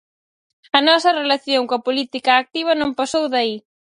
A nosa relación coa política activa non pasou de aí.